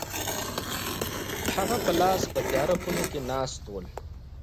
مې ستنې په لاس په تیاره خونه کې ناست ول.